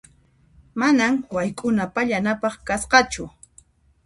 Manan wayk'una pallanapaq kasqachu.